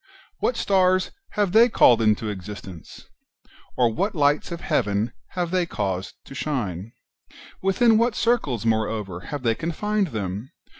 what stars have they called into existence ? or what lights of heaven have they caused to shine? within what circles, moreover, have they confined them